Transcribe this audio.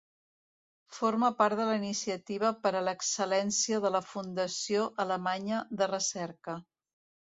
Forma part de la Iniciativa per a l'Excel·lència de la Fundació Alemanya de Recerca.